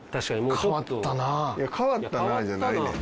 いや「変わったな」じゃないねん。